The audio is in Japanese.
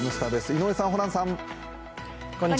井上さん、ホランさん。